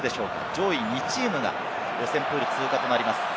上位２チームが予選プール通過となります。